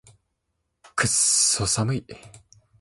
クソ寒い